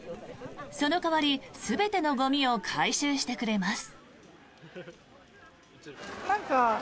その代わり全てのゴミを回収してくれます。